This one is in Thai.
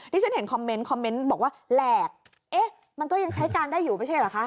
นี่ฉันเห็นคอมเมนต์บอกว่าแหลกมันก็ยังใช้การได้อยู่ไม่ใช่หรือคะ